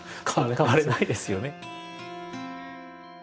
変われないですよね。